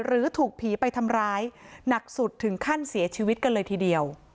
หรือถูกผีไปทำร้ายหนักสุดถึงขั้นเสียชีวิตกันเลยทีเดียว